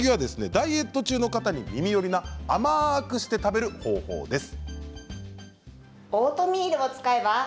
ダイエット中の方に耳よりな甘くして食べる方法です。